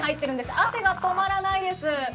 汗が止まらないです。